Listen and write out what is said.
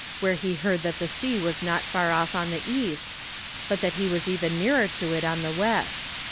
where he heard that the sea was not far off on the east, but that he was even nearer to it on the west.